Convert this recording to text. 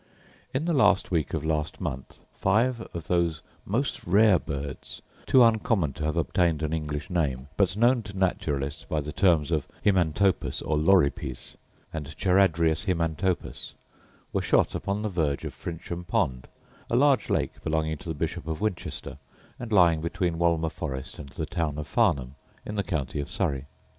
In the last week of last month five of those most rare birds, too uncommon to have obtained an English name, but known to naturalists by the terms of himantopus, or loripes, and charadrius himantopus, were shot upon the verge of Frinsham pond, a large lake belonging to the bishop of Winchester, and lying between Wolmer forest, and the town of Farnham, in the county of Surrey.